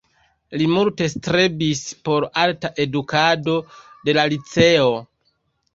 Li multe strebis por alta edukado de la liceo.